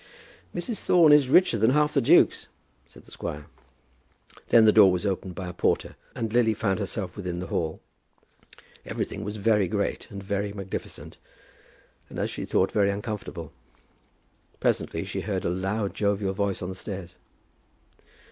"Mrs. Thorne is richer than half the dukes," said the squire. Then the door was opened by a porter, and Lily found herself within the hall. Everything was very great, and very magnificent, and, as she thought, very uncomfortable. Presently she heard a loud jovial voice on the stairs.